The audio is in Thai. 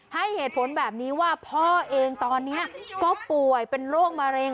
ให้เหตุผลแบบนี้ว่าพ่อเองตอนนี้ก็ป่วยเป็นโรคมะเร็ง